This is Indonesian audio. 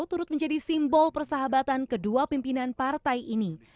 turut menjadi simbol persahabatan kedua pimpinan partai ini